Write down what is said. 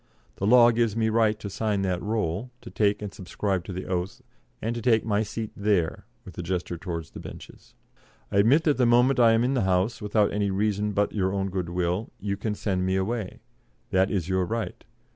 The law gives me the right to sign that roll, to take and subscribe the oath, and to take my seat there [with a gesture towards the benches]. I admit that the moment I am in the House, without any reason but your own good will, you can send me away. That is your right.